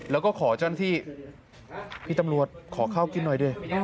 แล้วก็ขอเจ้าหน้าที่พี่ตำรวจขอข้าวกินหน่อยดิ